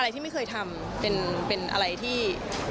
ที่ไม่เคยทำเป็นอะไรที่